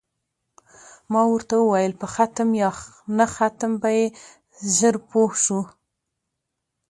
ما ورته وویل: په ختم یا نه ختم به یې ژر پوه شو.